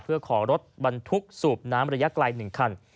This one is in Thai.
เพื่อขอรถบรรทุกสูบน้ำระยะไกล๑คัน